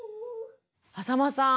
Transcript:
淺間さん